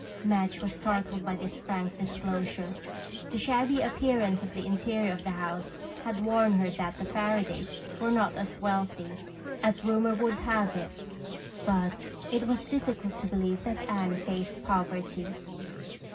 Madge was startled by this frank disclosure. The shabby appearance of the interior of the house had warned her that the Fairadays were not as wealthy as rumor would have it, but it was difficult to believe that Anne faced poverty.